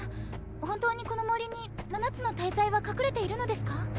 本当にこの森に七つの大罪は隠れているのですか？